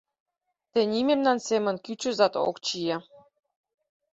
— Тений мемнан семын кӱчызат ок чие.